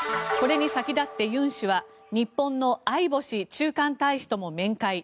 これに先立って尹氏は日本の相星駐韓大使とも面会。